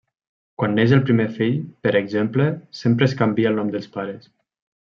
Quan neix el primer fill, per exemple, sempre es canvia el nom dels pares.